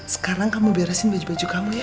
sekarang kamu beresin baju baju kamu ya